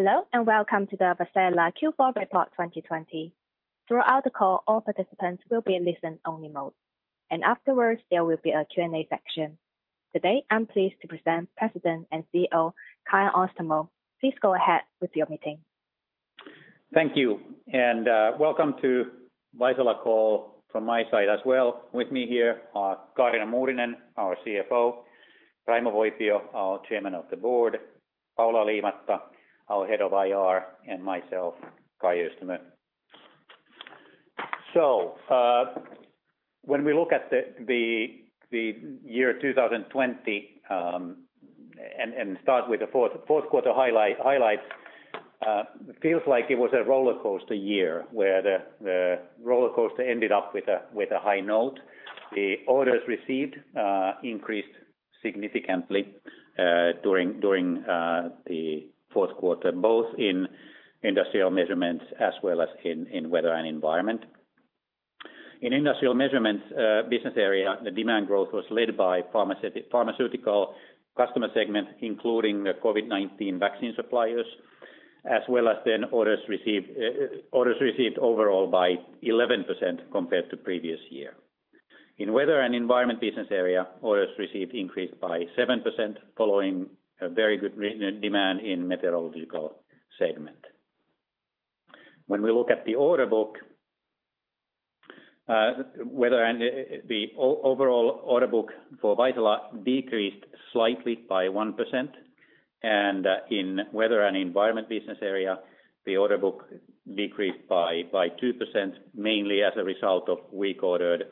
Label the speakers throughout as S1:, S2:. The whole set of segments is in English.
S1: Hello, and welcome to the Vaisala Q4 Report 2020. Throughout the call, all participants will be in listen-only mode, and afterwards, there will be a Q&A section. Today, I'm pleased to present President and CEO, Kai Öistämö. Please go ahead with your meeting.
S2: Thank you, and welcome to Vaisala call from my side as well. With me here are Kaarina Muurinen, our CFO, Raimo Voipio, our Chairman of the Board, Paula Liimatta, our Head of IR, and myself, Kai Öistämö. When we look at the year 2020, and start with the fourth quarter highlights, it feels like it was a rollercoaster year where the rollercoaster ended up with a high note. The orders received increased significantly during the fourth quarter both in industrial measurements as well as in weather and environment. In industrial measurements business area, the demand growth was led by pharmaceutical customer segment, including the COVID-19 vaccine suppliers, as well as then orders received overall by 11% compared to previous year. In weather and environment business area, orders received increased by 7% following a very good demand in meteorological segment. When we look at the order book, the overall order book for Vaisala decreased slightly by 1%, and in Weather and Environment Business Area, the order book decreased by 2%, mainly as a result of weak orders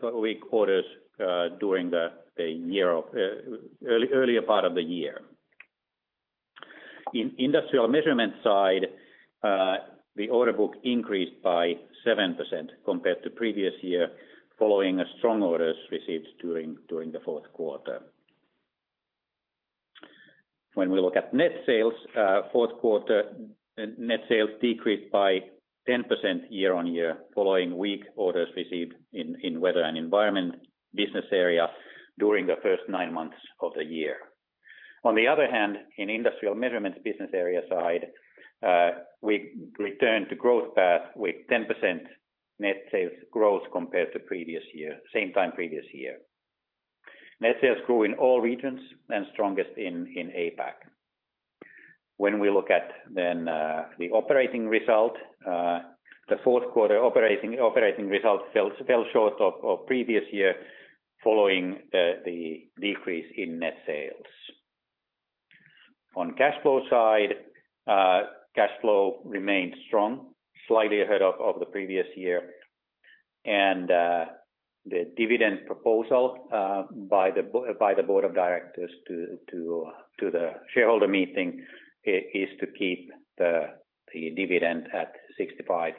S2: during the earlier part of the year. In Industrial Measurements side, the order book increased by 7% compared to previous year following strong orders received during the fourth quarter. When we look at net sales, fourth quarter net sales decreased by 10% year-on-year following weak orders received in Weather and Environment Business Area during the first nine months of the year. On the other hand, in Industrial Measurements Business Area side, we returned to growth path with 10% net sales growth compared to same time previous year. Net sales grew in all regions, and strongest in APAC. When we look at the operating result, the fourth quarter operating result fell short of previous year following the decrease in net sales. On cash flow side, cash flow remained strong, slightly ahead of the previous year. The dividend proposal by the board of directors to the shareholder meeting is to keep the dividend at 0.65.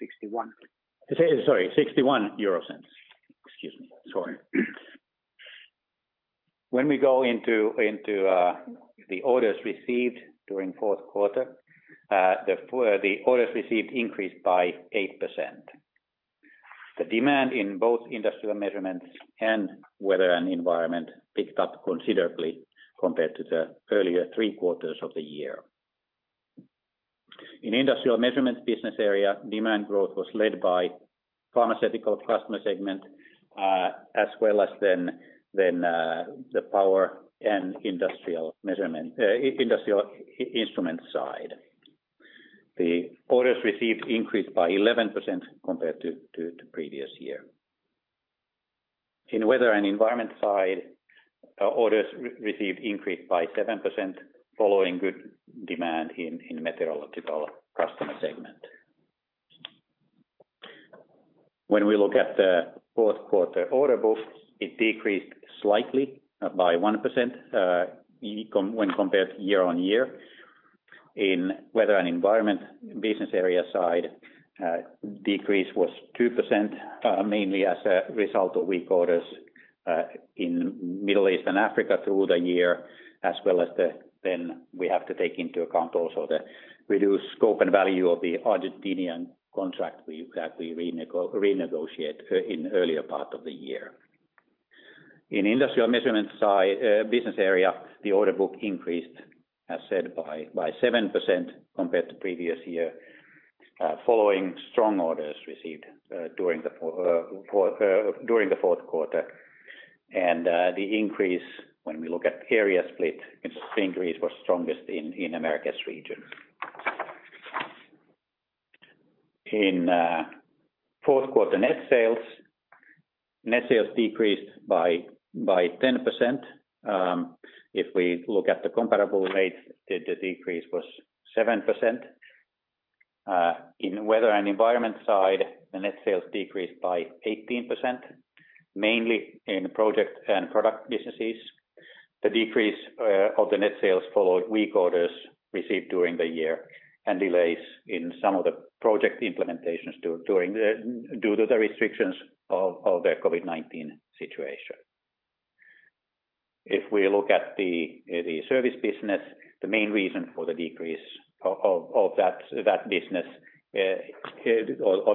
S3: 61.
S2: Sorry, 0.61. Excuse me. Sorry. When we go into the orders received during fourth quarter, the orders received increased by 8%. The demand in both Industrial Measurements and Weather and Environment picked up considerably compared to the earlier three quarters of the year. In Industrial Measurements business area, demand growth was led by pharmaceutical customer segment, as well as then the power and industrial instruments side. The orders received increased by 11% compared to previous year. In Weather and Environment side, orders received increased by 7% following good demand in meteorological customer segment. When we look at the fourth quarter order book, it decreased slightly by 1% when compared year-over-year. In Weather and Environment business area side, decrease was 2%, mainly as a result of weak orders in Middle East and Africa through the year, as well as then we have to take into account also the reduced scope and value of the Argentinian contract that we renegotiate in earlier part of the year. In Industrial Measurements business area, the order book increased, as said, by 7% compared to previous year, following strong orders received during the fourth quarter. The increase, when we look at area split, increase was strongest in Americas region. In fourth quarter net sales, net sales decreased by 10%. If we look at the comparable rate, the decrease was 7%. In Weather and Environment side, the net sales decreased by 18%, mainly in project and product businesses. The decrease of the net sales followed weak orders received during the year, and delays in some of the project implementations due to the restrictions of the COVID-19 situation. If we look at the service business, the main reason for the decrease of the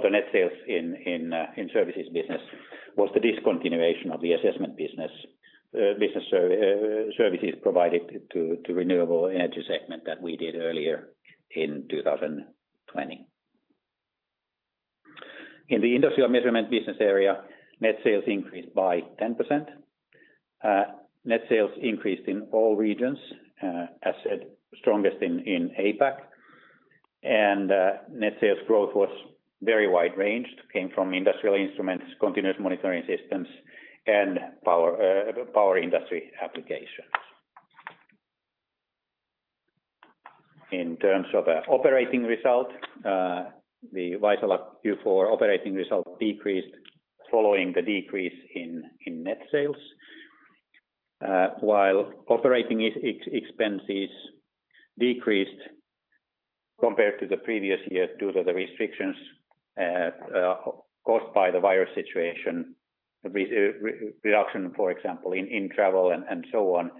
S2: net sales in services business was the discontinuation of the assessment business services provided to renewable energy segment that we did earlier in 2020. In the industrial measurement business area, net sales increased by 10%. Net sales increased in all regions, as said, strongest in APAC. Net sales growth was very wide-ranged, came from industrial instruments, continuous monitoring systems, and power industry applications. In terms of operating result, the Vaisala Q4 operating result decreased following the decrease in net sales. While operating expenses decreased compared to the previous year due to the restrictions caused by the virus situation, reduction, for example, in travel and so on.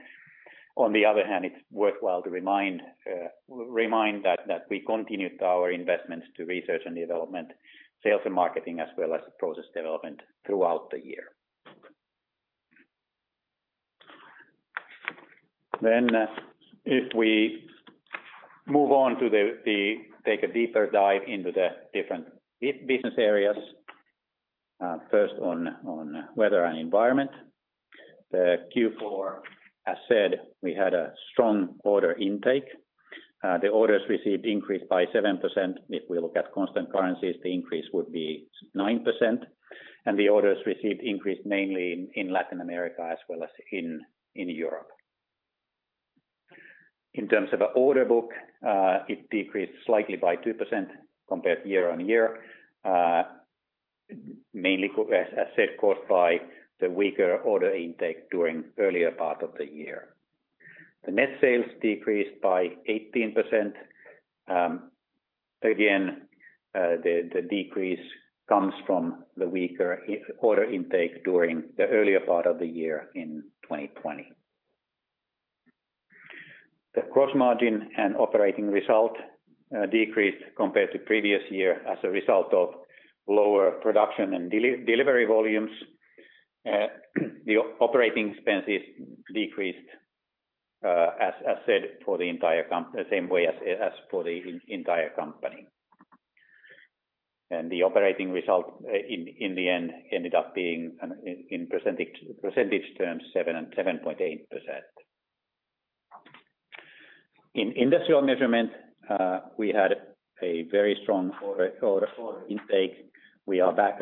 S2: It's worthwhile to remind that we continued our investments to research and development, sales and marketing, as well as process development throughout the year. If we move on to take a deeper dive into the different business areas. First on Weather and Environment. The Q4, as said, we had a strong order intake. The orders received increased by 7%. If we look at constant currencies, the increase would be 9%. The orders received increased mainly in Latin America as well as in Europe. In terms of order book, it decreased slightly by 2% compared year-on-year. Mainly, as said, caused by the weaker order intake during earlier part of the year. The net sales decreased by 18%. Again, the decrease comes from the weaker order intake during the earlier part of the year in 2020. The gross margin and operating result decreased compared to previous year as a result of lower production and delivery volumes. The operating expenses decreased, as said, the same way as for the entire company. The operating result, in the end, ended up being, in percentage terms, 7.8%. In industrial measurement, we had a very strong order intake. We were back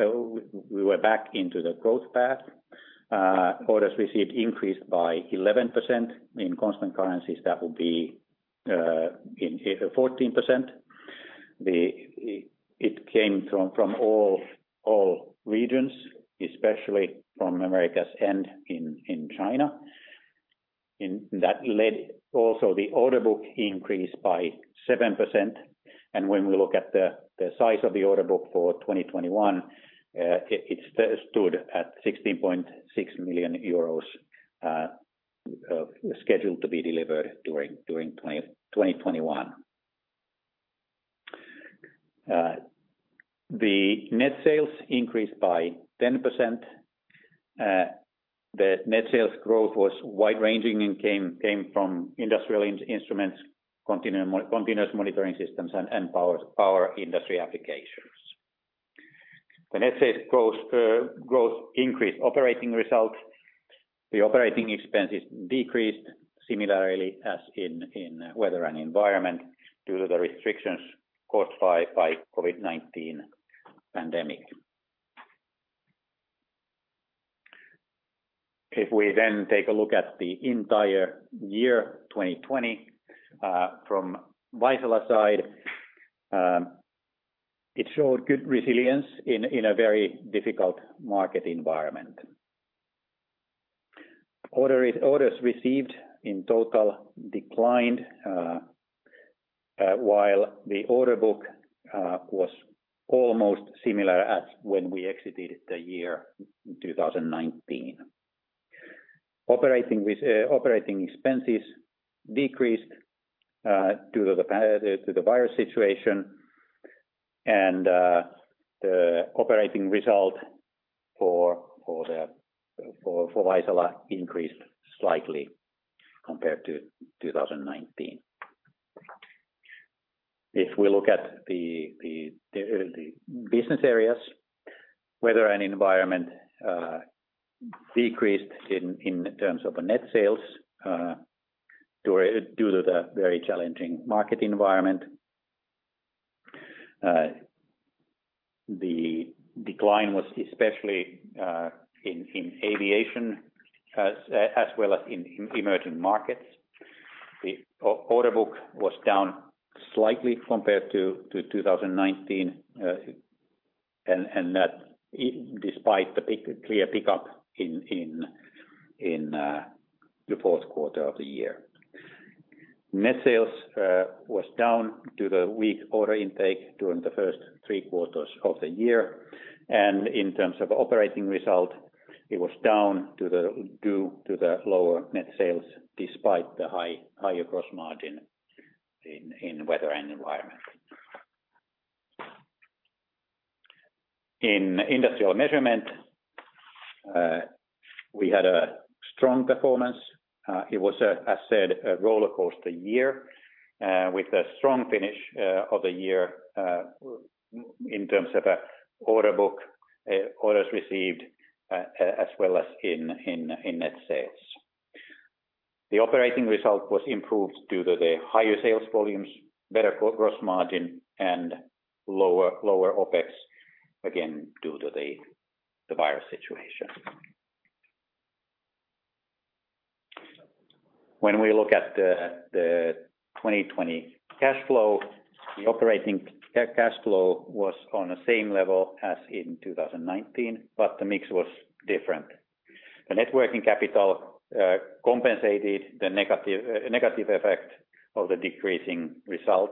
S2: into the growth path. Orders received increased by 11%. In constant currencies, that would be 14%. It came from all regions, especially from Americas and in China. That led also the order book increase by 7%. When we look at the size of the order book for 2021, it stood at 16.6 million euros, scheduled to be delivered during 2021. The net sales increased by 10%. The net sales growth was wide-ranging and came from industrial instruments, continuous monitoring systems, and power industry applications. The net sales growth increased operating results. The operating expenses decreased similarly as in weather and environment due to the restrictions caused by COVID-19 pandemic. If we then take a look at the entire year 2020 from Vaisala side, it showed good resilience in a very difficult market environment. Orders received in total declined, while the order book was almost similar as when we exited the year 2019. Operating expenses decreased due to the virus situation, and the operating result for Vaisala increased slightly compared to 2019. If we look at the business areas, weather and environment decreased in terms of net sales due to the very challenging market environment. The decline was especially in aviation as well as in emerging markets. The order book was down slightly compared to 2019, and that despite the clear pickup in the fourth quarter of the year. Net sales was down due to weak order intake during the first three quarters of the year. In terms of operating result, it was down due to the lower net sales, despite the higher gross margin in Weather and Environment. In Industrial Measurement, we had a strong performance. It was, as said, a rollercoaster year with a strong finish of the year in terms of order book, orders received, as well as in net sales. The operating result was improved due to the higher sales volumes, better gross margin, and lower OPEX, again, due to the virus situation. When we look at the 2020 cash flow, the operating cash flow was on the same level as in 2019, the mix was different. The net working capital compensated the negative effect of the decreasing result.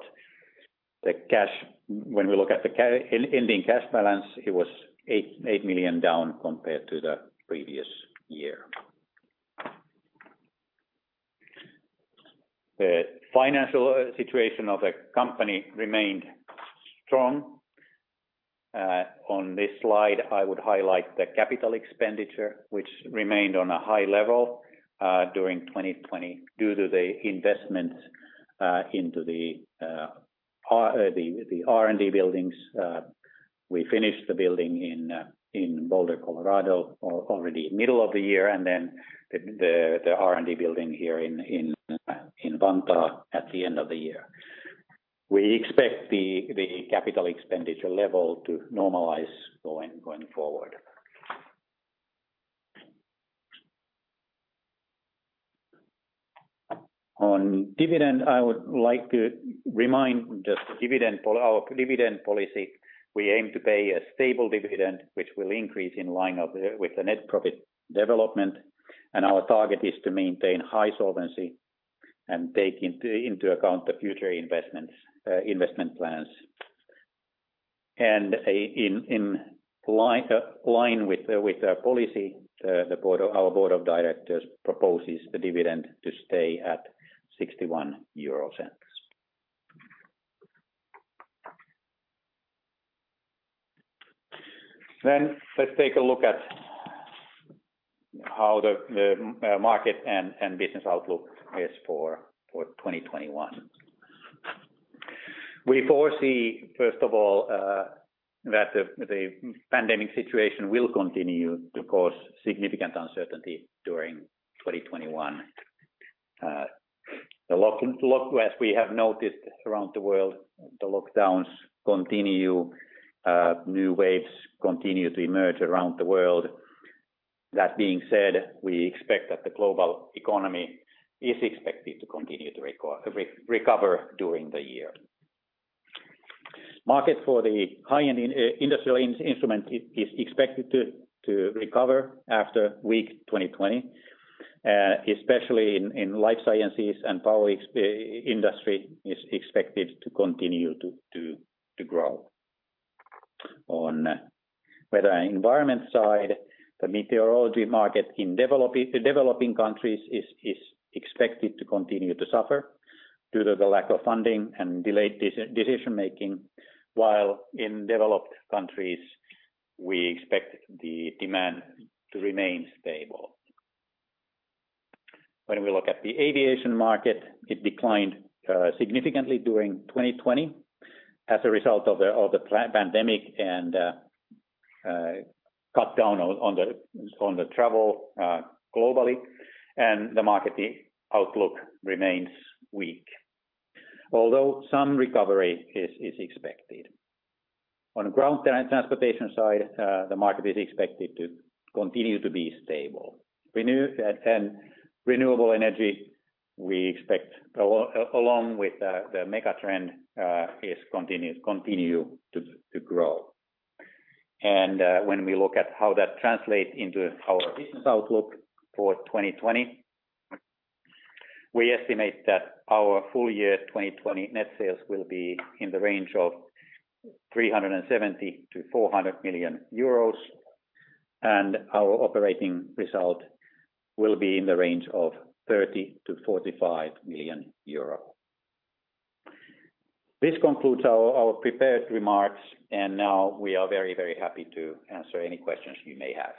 S2: When we look at the ending cash balance, it was 8 million down compared to the previous year. The financial situation of the company remained strong. On this slide, I would highlight the capital expenditure, which remained on a high level during 2020 due to the investment into the R&D buildings. We finished the building in Boulder, Colorado already middle of the year, and then the R&D building here in Vantaa at the end of the year. We expect the capital expenditure level to normalize going forward. On dividend, I would like to remind just our dividend policy. We aim to pay a stable dividend, which will increase in line with the net profit development. Our target is to maintain high solvency and take into account the future investment plans. In line with our policy, our board of directors proposes the dividend to stay at EUR 0.61. Let's take a look at how the market and business outlook is for 2021. We foresee, first of all, that the pandemic situation will continue to cause significant uncertainty during 2021. As we have noticed around the world, the lockdowns continue. New waves continue to emerge around the world. That being said, we expect that the global economy is expected to continue to recover during the year. Market for the high-end industrial instrument is expected to recover after weak 2020, especially in life sciences and power industry is expected to continue to grow. On weather and environment side, the meteorology market in developing countries is expected to continue to suffer due to the lack of funding and delayed decision-making, while in developed countries, we expect the demand to remain stable. When we look at the aviation market, it declined significantly during 2020 as a result of the pandemic and cut down on the travel globally, the market outlook remains weak, although some recovery is expected. On ground transportation side, the market is expected to continue to be stable. Renewable energy, we expect along with the mega-trend, continue to grow. When we look at how that translates into our business outlook for 2020, we estimate that our full year 2020 net sales will be in the range of 370 million-400 million euros, and our operating result will be in the range of 30 million-45 million euros. This concludes our prepared remarks, and now we are very happy to answer any questions you may have.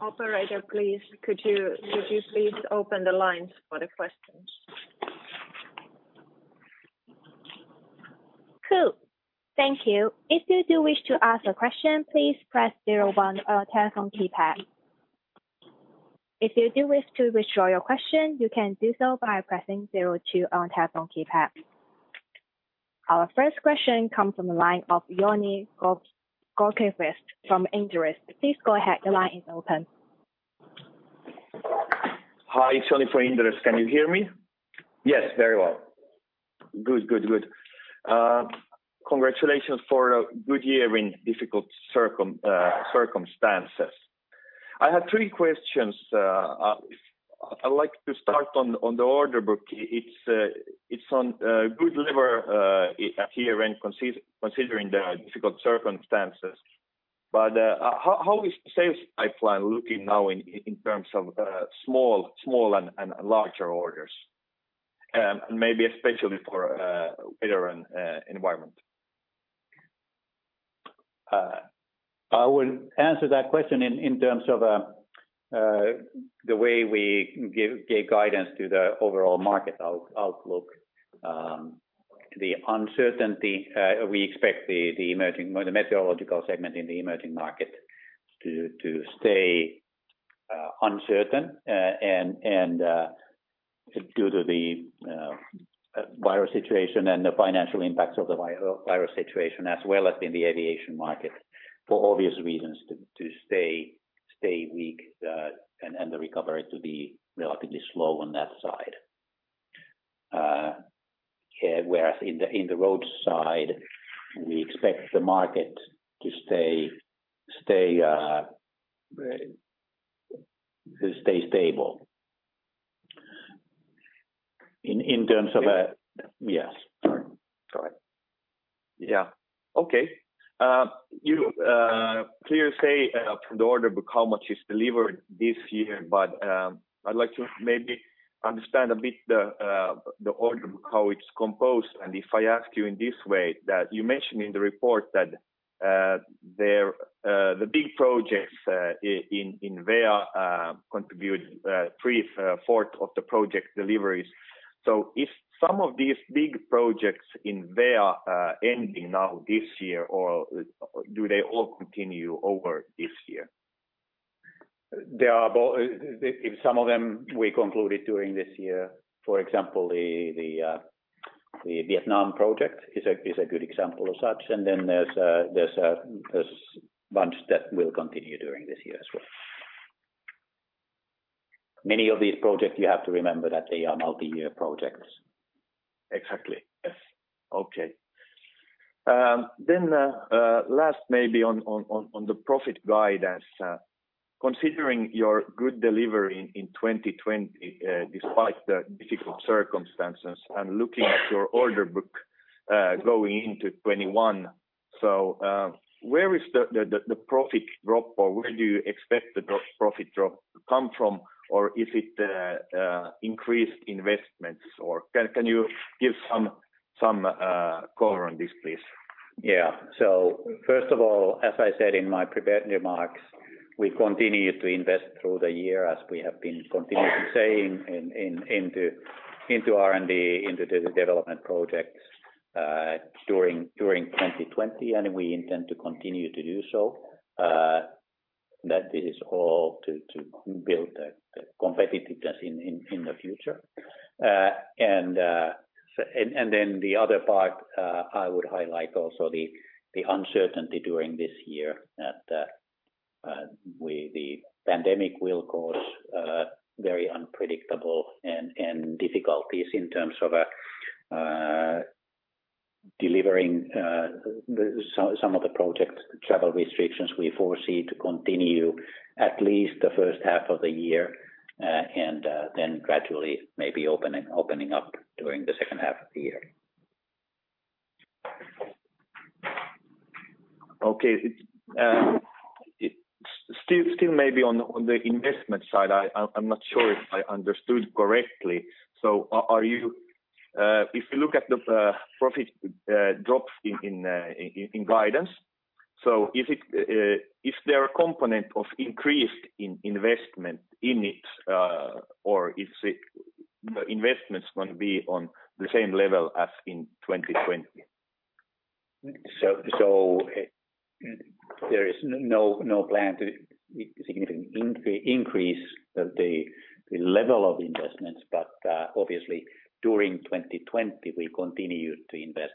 S4: Operator, could you please open the lines for the questions?
S1: Cool. Thank you. If you do wish to ask a question, please press zero one on telephone keypad. If you do wish to withdraw your question, you can do so by pressing zero two on telephone keypad. Our first question comes from the line of Joni Grönqvist from Inderes. Please go ahead. The line is open.
S5: Hi, it's Joni from Inderes. Can you hear me?
S2: Yes, very well.
S5: Good. Congratulations for a good year in difficult circumstances. I have three questions. I'd like to start on the order book. It's on good delivery at year-end considering the difficult circumstances, but how is sales pipeline looking now in terms of small and larger orders? Maybe especially for Weather and Environment.
S2: I will answer that question in terms of the way we gave guidance to the overall market outlook. The uncertainty we expect the meteorological segment in the emerging market to stay uncertain and due to the virus situation and the financial impacts of the virus situation as well as in the aviation market, for obvious reasons, to stay weak and the recovery to be relatively slow on that side. In the road side, we expect the market to stay stable. Yes, sorry.
S5: Yeah. Okay. You clearly say from the order book how much is delivered this year, but I'd like to maybe understand a bit the order book, how it's composed, and if I ask you in this way that you mentioned in the report that the big projects in W&E contribute three-fourth of the project deliveries. If some of these big projects in W&E are ending now this year, or do they all continue over this year?
S2: Some of them we concluded during this year, for example, the Vietnam project is a good example of such. There's a bunch that will continue during this year as well. Many of these projects, you have to remember that they are multi-year projects.
S5: Exactly. Yes. Okay. Last maybe on the profit guidance, considering your good delivery in 2020 despite the difficult circumstances and looking at your order book going into 2021, where is the profit drop or where do you expect the profit drop to come from? Is it increased investments? Can you give some color on this, please?
S2: Yeah. First of all, as I said in my prepared remarks, we continue to invest through the year as we have been continuing to say into R&D, into the development projects during 2020, and we intend to continue to do so. That is all to build the competitiveness in the future. Then the other part I would highlight also the uncertainty during this year that the pandemic will cause very unpredictable and difficulties in terms of delivering some of the projects. Travel restrictions we foresee to continue at least the first half of the year and then gradually maybe opening up during the second half of the year.
S5: Okay. Still maybe on the investment side, I'm not sure if I understood correctly. If you look at the profit drops in guidance, is there a component of increased investment in it? Is the investments going to be on the same level as in 2020?
S2: There is no plan to significantly increase the level of investments, but obviously during 2020, we continued to invest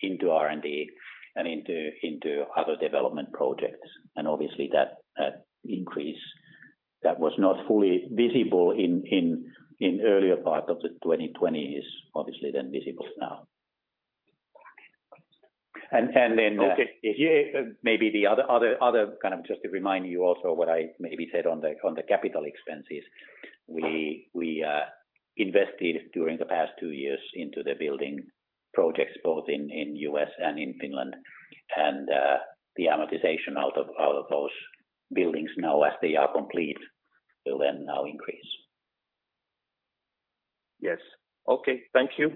S2: into R&D and into other development projects. Obviously that increase that was not fully visible in earlier part of the 2020 is obviously then visible now.
S5: Okay.
S2: Maybe the other kind of just to remind you also what I maybe said on the capital expenses, we invested during the past two years into the building projects both in U.S. and in Finland. The amortization out of those buildings now as they are complete, will then now increase.
S5: Yes. Okay. Thank you.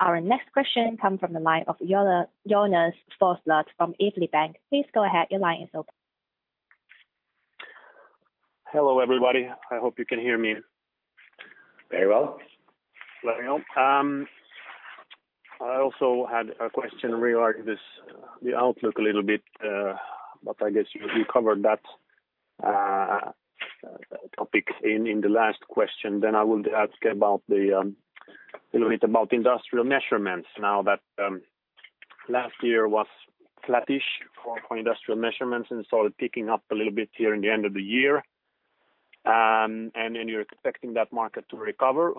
S1: Our next question comes from the line of Jonas Forslund from Evli Bank. Please go ahead. Your line is open.
S6: Hello, everybody. I hope you can hear me.
S2: Very well.
S6: Let me know. I also had a question regarding the outlook a little bit, but I guess you covered that topic in the last question. I would ask a little bit about Industrial Measurements now that last year was flattish for Industrial Measurements and started picking up a little bit here in the end of the year. You're expecting that market to recover.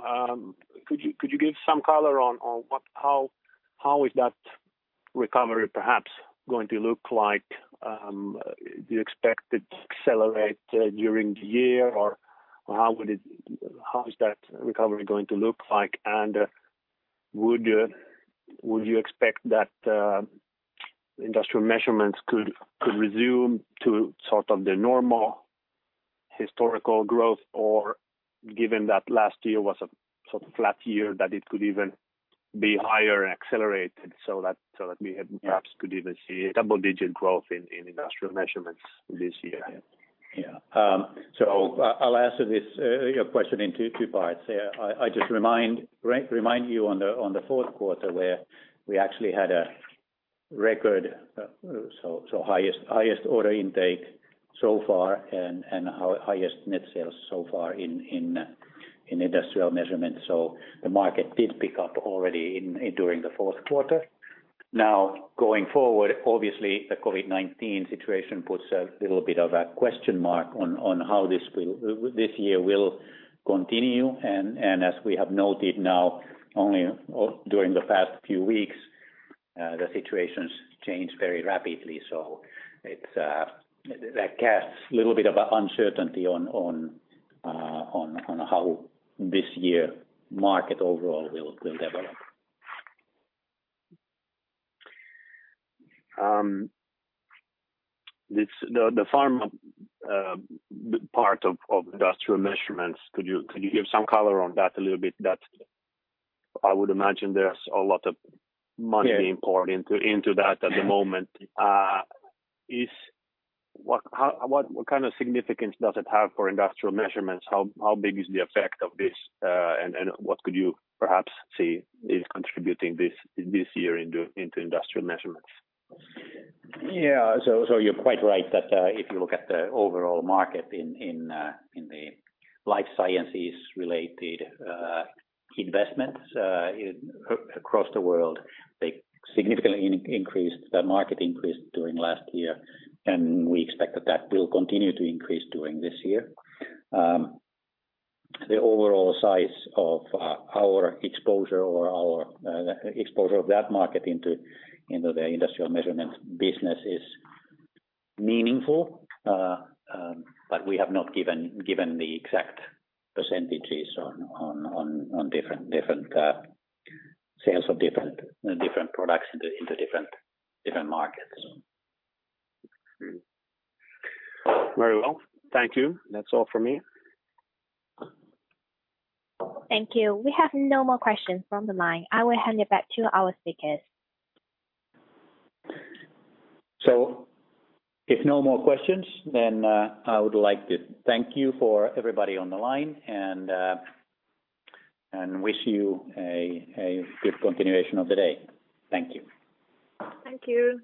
S6: Could you give some color on how is that recovery perhaps going to look like? Do you expect it to accelerate during the year, or how is that recovery going to look like? Would you expect that Industrial Measurements could resume to sort of the normal historical growth? Given that last year was a sort of flat year, that it could even be higher and accelerated so that we perhaps could even see double-digit growth in Industrial Measurements this year?
S2: Yeah. I'll answer your question in two parts. I just remind you on the fourth quarter, where we actually had a record, so highest order intake so far and our highest net sales so far in Industrial Measurements. The market did pick up already during the fourth quarter. Now going forward, obviously the COVID-19 situation puts a little bit of a question mark on how this year will continue. As we have noted now, only during the past few weeks, the situation's changed very rapidly. That casts a little bit of uncertainty on how this year market overall will develop.
S6: The pharma part of Industrial Measurements, could you give some color on that a little bit? I would imagine there's a lot of money.
S2: Yeah
S6: being poured into that at the moment. What kind of significance does it have for Industrial Measurements? How big is the effect of this, and what could you perhaps see is contributing this year into Industrial Measurements?
S2: Yeah. You're quite right that if you look at the overall market in the life sciences related investments across the world, they significantly increased. The market increased during last year, and we expect that that will continue to increase during this year. The overall size of our exposure or our exposure of that market into the Industrial Measurements business is meaningful. We have not given the exact percentages on different sales of different products into different markets.
S6: Very well. Thank you. That's all for me.
S1: Thank you. We have no more questions from the line. I will hand it back to our speakers.
S2: If no more questions, then I would like to thank you for everybody on the line and wish you a good continuation of the day. Thank you.
S4: Thank you.